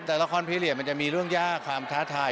แต่ละครพีเรียสมันจะมีเรื่องยากความท้าทาย